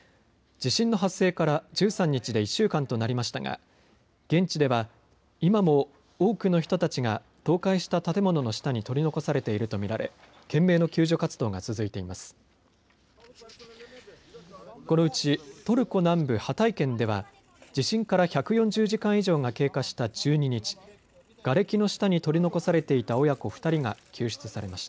地震の発生から１３日で１週間となりましたが現地では今も多くの人たちが倒壊した建物の下に取り残されていると見られ懸命の救助活動が続いています。